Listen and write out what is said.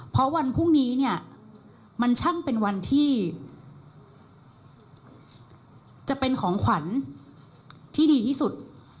เพราะวันพรุ่งนี้เนี่ยมันช่างเป็นวันที่จะเป็นของขวัญที่ดีที่สุด